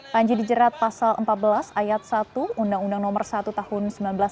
panji dijerat pasal empat belas ayat satu undang undang nomor satu tahun seribu sembilan ratus sembilan puluh